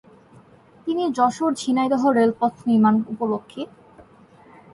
তিনি যশোর-ঝিনাইদহ রেলপথ নির্মাণ উপলক্ষে।